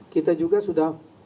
kita juga sudah